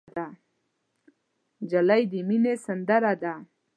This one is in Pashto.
نجلۍ د مینې سندره ده.